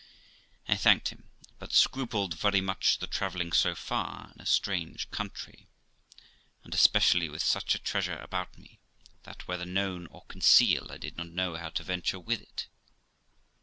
I thanked him, but scrupled very much the travelling so far in a strange country, and especially with such a treasure about me ; that, whether known or concealed, I did not know how to venture with it.